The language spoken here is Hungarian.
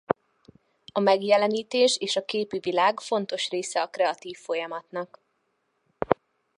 A megjelenítés és képi világ fontos része a kreatív folyamatnak.